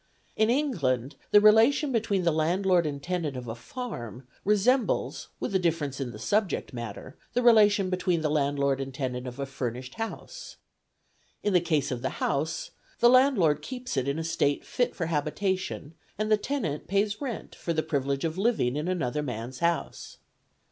In England the relation between the landlord and tenant of a farm resembles, with a difference in the subject matter, the relation between the landlord and tenant of a furnished house. In the case of the house, the landlord keeps it in a state fit for habitation, and the tenant pays rent for the privilege of living in another man's house.